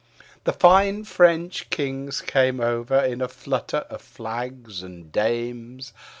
The fine French kings came over in a flutter of flags and dames.